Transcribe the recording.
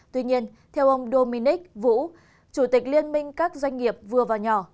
tuy nhiên theo ông dominic vũ chủ tịch liên minh các doanh nghiệp vừa và nhỏ